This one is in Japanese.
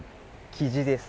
キジです。